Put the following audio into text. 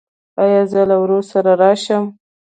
ایا زه له ورور سره راشم؟